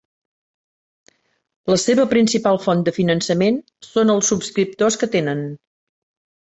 La seva principal font de finançament són els subscriptors que tenen.